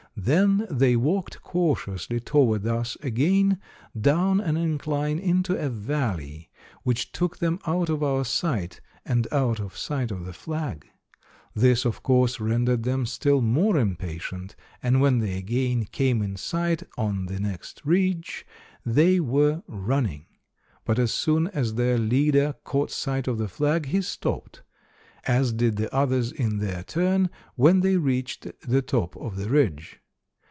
Then they walked cautiously toward us again, down an incline into a valley, which took them out of our sight, and out of sight of the flag. This of course rendered them still more impatient, and when they again came in sight on the next ridge, they were running. But as soon as their leader caught sight of the flag, he stopped, as did the others in their turn when they reached the top of the ridge.